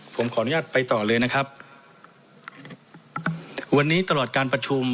ผมขออนุญาตไปต่อเลยนะครับวันนี้ตลอดการประชุม